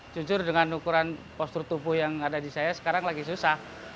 jujur dengan ukuran postur tubuh yang ada di saya sekarang lagi susah